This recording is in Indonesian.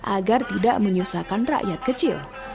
agar tidak menyusahkan rakyat kecil